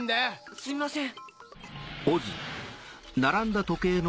すみません！